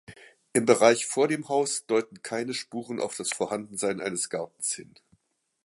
Im Bereich vor dem Haus deuten keine Spuren auf das Vorhandensein eines Gartens hin.